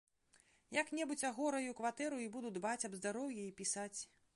Як-небудзь агораю кватэру і буду дбаць аб здароўі і пісаць.